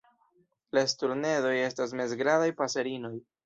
La sturnedoj estas mezgrandaj paserinoj.